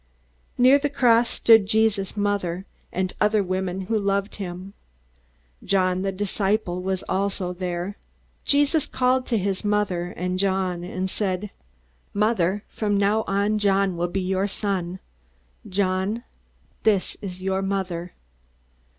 Near the cross stood Jesus' mother and other women who loved him. John the disciple was also there. Jesus called to his mother and John, and said: "Mother, from now on John will be your son. John, this is your mother."